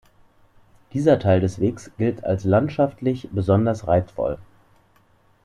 Dieser Teil des Wegs gilt als landschaftlich besonders reizvoll.